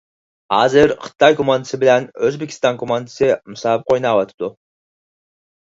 ھازىر خىتاي كوماندىسى بىلەن ئۆزبېكىستان كوماندىسى مۇسابىقە ئويناۋاتىدۇ.